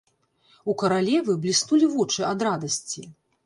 У каралевы бліснулі вочы ад радасці.